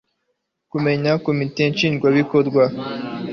Kumenyesha komite nshingwabikorwa ibyo